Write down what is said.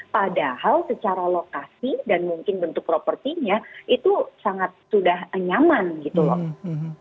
padahal secara lokasi dan mungkin bentuk propertinya itu sangat sudah nyaman gitu loh